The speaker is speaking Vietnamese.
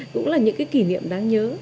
cũng là những cái kỷ niệm đáng nhớ